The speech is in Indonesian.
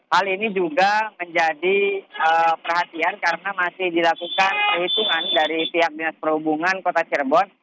hal ini juga menjadi perhatian karena masih dilakukan perhitungan dari pihak dinas perhubungan kota cirebon